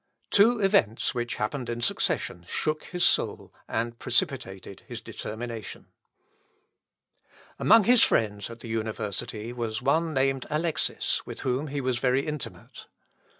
Two events, which happened in succession, shook his soul, and precipitated his determination. Among his friends at the university was one named Alexis, with whom he was very intimate.